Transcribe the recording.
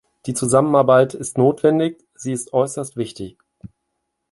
Diese Zusammenarbeit ist notwendig, sie ist äußerst wichtig.